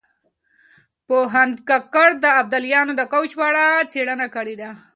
پوهاند کاکړ د ابدالیانو د کوچ په اړه څېړنه کړې ده.